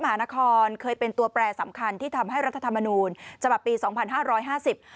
มหานครเคยเป็นตัวแปรสำคัญที่ทำให้รัฐธรรมนูญฉบับปีสองพันห้าร้อยห้าสิบ